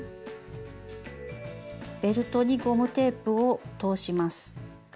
ベルトにゴムテープを通します。